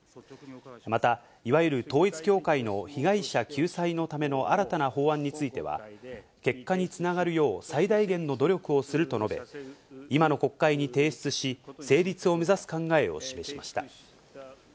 またいわゆる統一教会の被害者救済のための新たな法案については、結果につながるよう最大限の努力をすると述べ、今の国会に提出し、成立を目指す考えを示しました。